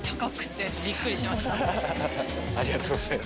ありがとうございます。